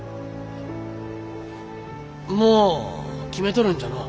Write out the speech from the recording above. もう決めとるんじゃのお。